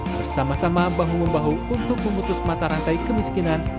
bersama sama bahu membahu untuk memutus mata rantai kemiskinan